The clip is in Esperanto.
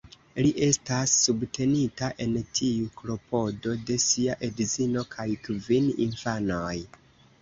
Li estas subtenita en tiu klopodo de sia edzino kaj kvin infanoj.